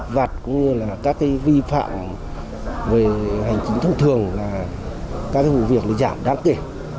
các vật cũng như là các cái vi phạm về hành chính thông thường là các cái vụ việc nó giảm đáng kể